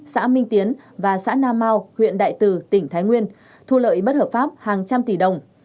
xã minh tiến và xã nam mau huyện đại từ tỉnh thái nguyên thu lợi bất hợp pháp hàng trăm tỷ đồng